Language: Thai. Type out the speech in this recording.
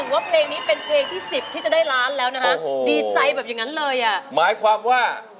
เกิดอะไรล่ะ